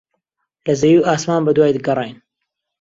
لە زەوی و ئاسمان بەدوای گەڕاین.